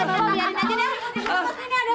nanti deh datang datang